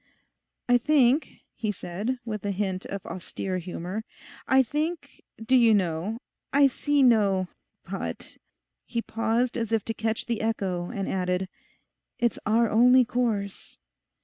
'I think,' he said, with a hind of austere humour, 'I think, do you know, I see no "but."' He paused as if to catch the echo and added, 'It's our only course.